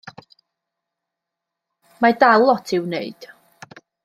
Mae dal lot i'w wneud.